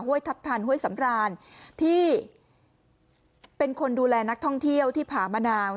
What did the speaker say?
ทัพทันห้วยสำรานที่เป็นคนดูแลนักท่องเที่ยวที่ผามะนาว